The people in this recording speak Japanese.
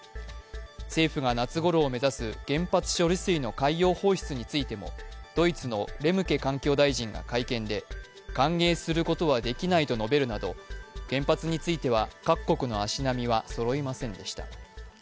政府が夏頃を目指す原発処理水の海洋放出についてもドイツのレムケ環境大臣が会見で歓迎することはできないと述べるなど原発については各国の足並みはそろいませんでした。